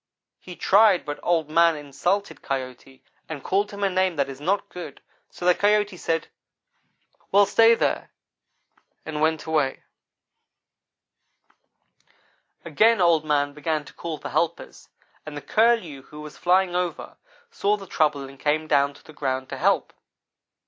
He tried but Old man insulted Coyote. and called him a name that is not good, so the Coyote said, 'Well, stay there,' and went away. "Again Old man began to call for helpers, and the Curlew, who was flying over, saw the trouble, and came down to the ground to help.